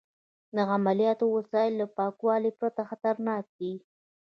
د عملیاتو وسایل له پاکوالي پرته خطرناک دي.